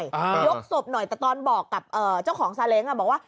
ยกศพหน่อยแต่ตอนบอกกับเจ้าของซาเล้งบอกว่า